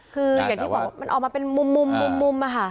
คืออย่างที่บอกมันออกมาเป็นมุมอะค่ะ